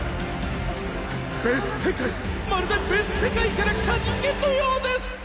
「別世界まるで別世界から来た人間のようです！」